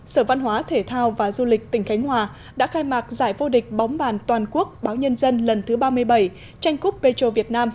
sở văn hóa thể thao và du lịch tỉnh khánh hòa đã khai mạc giải vô địch bóng bàn toàn quốc báo nhân dân lần thứ ba mươi bảy tranh cúp petro việt nam